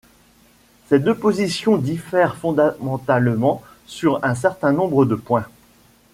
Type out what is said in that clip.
Ces deux positions diffèrent fondamentalement sur un certain nombre de points.